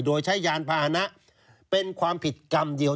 โดยใช้ยานพาหนะเป็นความผิดกรรมเดียว